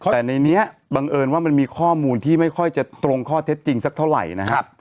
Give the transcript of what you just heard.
แต่ในนี้บังเอิญว่ามันมีข้อมูลที่ไม่ค่อยจะตรงข้อเท็จจริงสักเท่าไหร่นะครับ